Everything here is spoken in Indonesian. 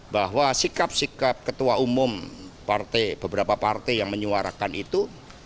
bahwa sikap sikap ketua umum partai beberapa partai yang menyuarakan itu